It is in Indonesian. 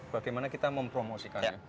bagaimana kita mempromosikannya